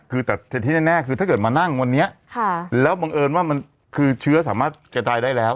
คือแต่ที่แน่คือถ้าเกิดมานั่งวันนี้แล้วบังเอิญว่ามันคือเชื้อสามารถกระจายได้แล้ว